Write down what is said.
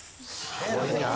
すごいな。